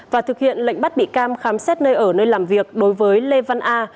và thực hiện lệnh bắt bị can khám xét nơi ở nơi làm việc đối với lê văn a